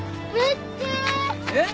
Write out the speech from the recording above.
えっ？